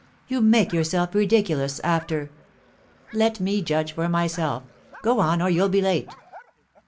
You make yourself ridiculous, after " "Let me judge for myself. Go on, or you'll be late."